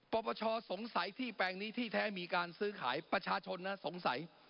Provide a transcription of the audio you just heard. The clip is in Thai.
ปปชสงสัยที่แปลงนี้ที่แท้มีการซื้อขายประชาชนนะสงสัย